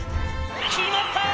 「決まったー！！